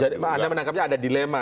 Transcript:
jadi menangkapnya ada dilema